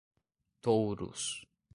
Touros